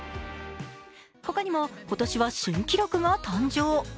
他にも、今年は新記録が誕生。